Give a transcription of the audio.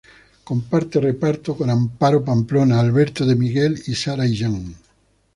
Comparte reparto con Amparo Pamplona, Alberto de Miguel y Sara Illán.